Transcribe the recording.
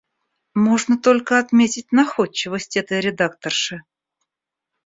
Можно только отметить находчивость этой редакторши.